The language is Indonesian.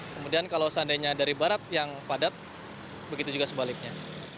kemudian kalau seandainya dari barat yang padat begitu juga sebaliknya